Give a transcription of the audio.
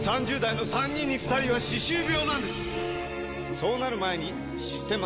そうなる前に「システマ」！